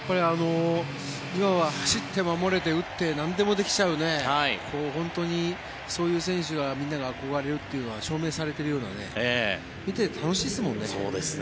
今は走って、守れて、打ってなんでもできちゃう本当にそういう選手がみんなが憧れるっていうのが証明されているような見ていて楽しいですもんね。